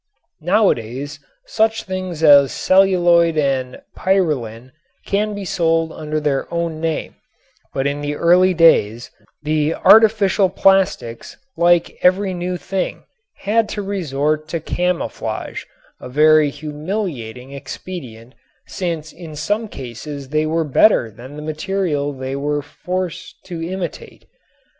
Nowadays such things as celluloid and pyralin can be sold under their own name, but in the early days the artificial plastics, like every new thing, had to resort to camouflage, a very humiliating expedient since in some cases they were better than the material they were forced to imitate.